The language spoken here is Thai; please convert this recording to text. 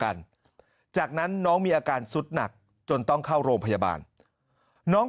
กันจากนั้นน้องมีอาการสุดหนักจนต้องเข้าโรงพยาบาลน้อง